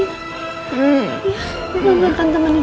iya gue bakal temenin kamu